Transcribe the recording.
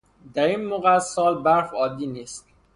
در این موقع از سال برف عادی نیست.